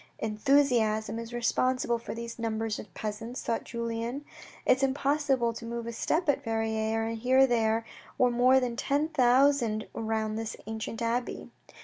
"Enthusiasm is responsible for these numbers of peasants," thought Julien. It was impossible to move a step at Verrieres, and here there were more than ten thousand round this ancient abbey.